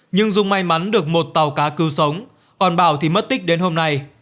nhưng dung may mắn được một tàu cá cứu sống còn bảo thì mất tích đến hôm nay